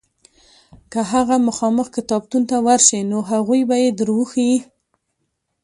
که هغه مخامخ کتابتون ته ورشې نو هغوی به یې در وښیي.